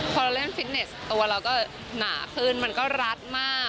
พอเราเล่นฟิตเนสตัวเราก็หนาขึ้นมันก็รัดมาก